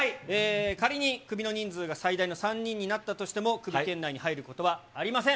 仮にクビの人数が最大の３人になったとしても、クビ圏内に入ることはありません。